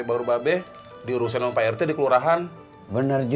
baru babi diurusin om perti dikeluargaan bener jho